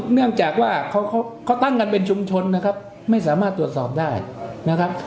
เนื่องจากว่าเขาตั้งกันเป็นชุมชนนะครับไม่สามารถตรวจสอบได้นะครับ